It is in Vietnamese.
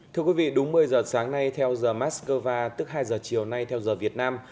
thưa quý vị đúng một mươi giờ sáng nay theo giờ moscow tức hai giờ chiều nay theo giờ việt nam